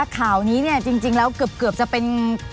ข่าวนี้เนี่ยจริงแล้วเกือบจะเป็น